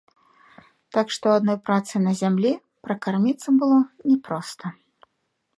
Так што адной працай на зямлі пракарміцца было не проста.